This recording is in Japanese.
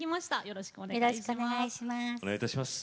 よろしくお願いします。